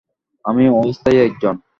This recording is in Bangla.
আমি অস্থায়ী একজন!